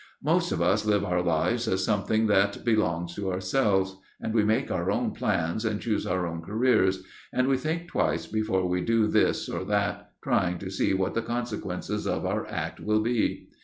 Most of us live our lives as something that belongs to ourselves; and we make our own plans, and choose our own careers, and we think twice before we do this or that, trying to see what the consequences of our act will be.